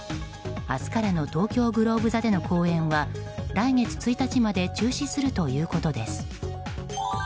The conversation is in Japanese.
明日からの東京グローブ座での公演は、来月１日まで中止するということです。